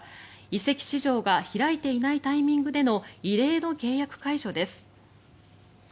移籍市場が開いていないタイミングでの異例の契約解除です。